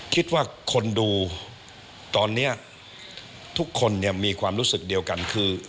คิดว่าคนดูตอนนี้ทุกคนเนี่ยมีความรู้สึกเดียวกันคือ